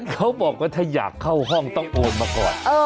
เขาบอกว่าถ้าอยากเข้าห้องต้องโอนมาก่อน